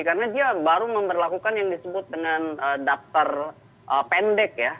karena dia baru memperlakukan yang disebut dengan daftar pendek ya